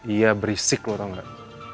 iya berisik lo tau gak